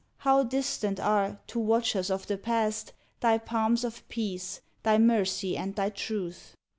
how distant are, To watchers of the Past, Thy palms of peace, thy mercy and thy truth!